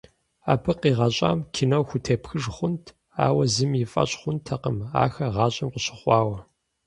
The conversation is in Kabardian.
Абы къигъэщӏам кино хутепхыж хъунт, ауэ зыми и фӏэщ хъунтэкъым ахэр гъащӏэм къыщыхъуауэ.